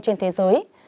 trên thế giới